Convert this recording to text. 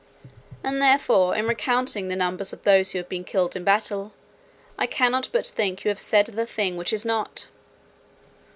And therefore, in recounting the numbers of those who have been killed in battle, I cannot but think you have said the thing which is not."